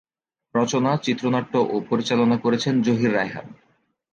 রচনা, চিত্রনাট্য ও পরিচালনা করেছেন জহির রায়হান।